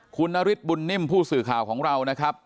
คุณนฤทธบุญนิ่มผู้สื่อข่าวของเรานะครับ